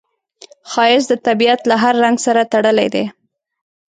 ښایست د طبیعت له هر رنګ سره تړلی دی